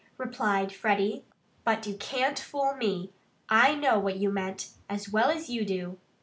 replied Freddie. "But you can't fool me. I know what you meant, as well as you do."